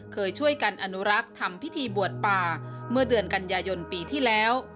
เคยช่วยกันอนุรักษ์ทำพิธีบวชป่าเมื่อเดือนกันยายนปีที่แล้ว